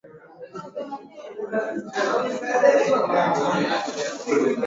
Japokuwa hufanya kazi kwa makini lakini huwachanganya watu ambao huwa wanachunguza nyendo zao